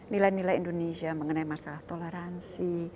nilai nilai indonesia mengenai masalah toleransi